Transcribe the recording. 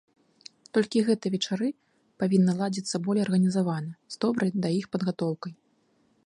Толькі гэтыя вечары павінны ладзіцца болей арганізавана, з добрай да іх падгатоўкай.